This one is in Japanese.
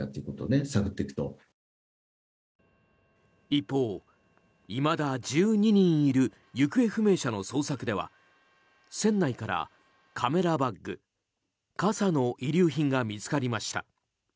一方、いまだ１２人いる行方不明者の捜索では船内からカメラ、バッグ、傘の遺留品が見つかりました。